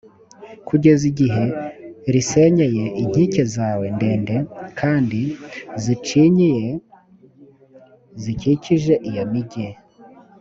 kugeza igihe risenyeye inkike zawe ndende kandi zicinyiye, zikikije iyo migi,